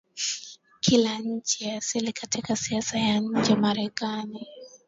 kila nchi ya asili Katika siasa ya nje Marekani